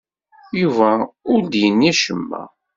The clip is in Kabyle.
Yuba ur d-yenni acemma.